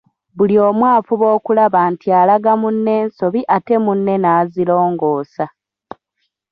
Buli omu afuba okulaba nti alaga munne ensobi ate ne munne nazirongoosa.